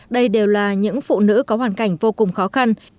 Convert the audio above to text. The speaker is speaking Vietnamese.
đây đều là những phụ nữ có hoàn cảnh vô cùng khó khăn